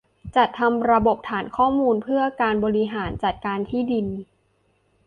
จัดทำระบบฐานข้อมูลเพื่อการบริหารจัดการที่ดิน